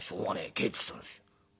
帰ってきたんですよ」。